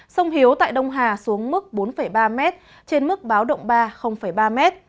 sông hiếu tại đông hà xuống mức bốn ba m trên mức báo động ba ba m